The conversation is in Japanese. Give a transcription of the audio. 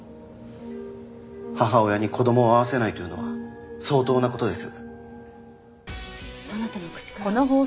母親に子供を会わせないというのは相当な事です。